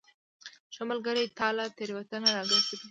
ښه ملګری تا له تیروتنو راګرځوي.